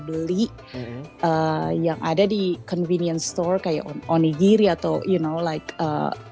beli yang ada di convenience store kayak onigiri atau you know like